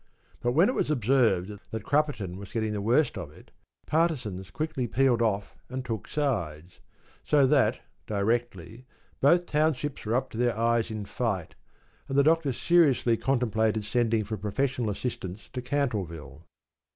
But when it was observed that Crupperton was getting the worst of it, partisans quickly peeled off and took sides; so that, directly, both townships were up to their eyes in fight, and the Doctor seriously contemplated sending for professional assistance to Cantleville.